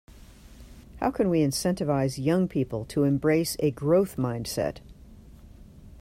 How can we incentivise young people to embrace a growth mindset?